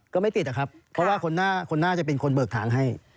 ก็ไม่ติดนะครับเพราะว่าคนน่าจะเป็นคนเบิกทางให้